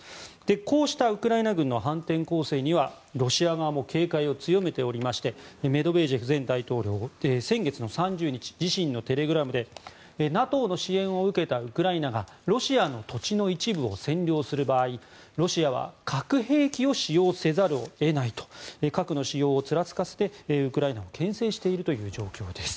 こうしたウクライナ軍の反転攻勢にはロシア側も警戒を強めておりましてメドベージェフ前大統領は先月の３０日自身のテレグラムでＮＡＴＯの支援を受けたウクライナがロシアの土地の一部を占領する場合ロシアは核兵器を使用せざるを得ないと核の使用をちらつかせてウクライナをけん制しているという状況です。